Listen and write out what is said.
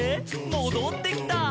もどってきた」